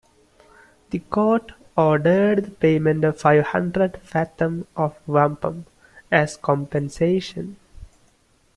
The Court ordered the payment of "five hundred fathom of wampum" as compensation.